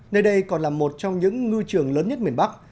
nơi đây còn là một trong những ngư trường lớn nhất miền bắc